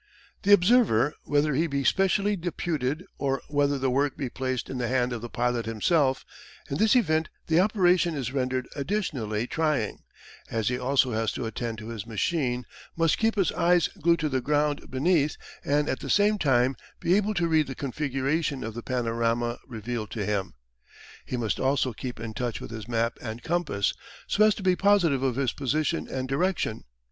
The observer, whether he be specially deputed, or whether the work be placed in the hand of the pilot himself in this event the operation is rendered additionally trying, as he also has to attend to his machine must keep his eyes glued to the ground beneath and at the same time be able to read the configuration of the panorama revealed to him. He must also keep in touch with his map and compass, so as to be positive of his position and direction.